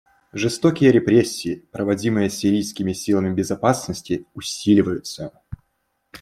Жестокие репрессии, проводимые сирийскими силами безопасности, усиливаются.